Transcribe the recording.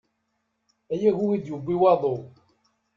Ay agu i d-yewwi waḍu.